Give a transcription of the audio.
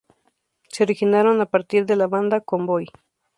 Se originaron a partir de la banda "Convoy".